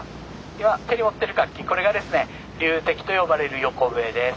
今手に持ってる楽器これがですね「竜笛」と呼ばれる横笛です。